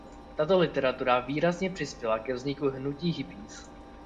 Tato literatura výrazně přispěla ke vzniku hnutí hippies.